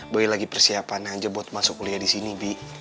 boy lagi persiapannya aja buat masuk kuliah di sini bi